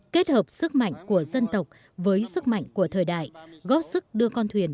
kết hợp sức mạnh của dân tộc với sức mạnh của thời đại góp sức đưa con thuyền